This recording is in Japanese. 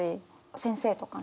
先生とかね。